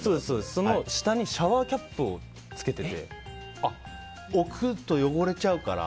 その下にシャワーキャップを置くと汚れちゃうから？